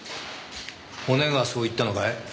骨がそう言ったのかい？